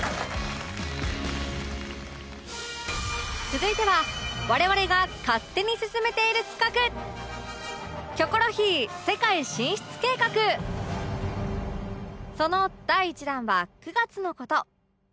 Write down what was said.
続いては我々が勝手に進めている企画その第１弾は９月の事